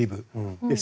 です